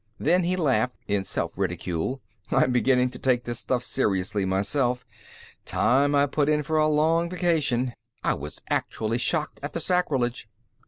Then he laughed in self ridicule. "I'm beginning to take this stuff seriously, myself; time I put in for a long vacation. I was actually shocked at the sacrilege!"